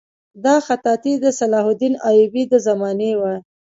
دا خطاطي د صلاح الدین ایوبي د زمانې وه.